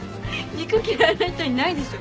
肉嫌いな人いないでしょ。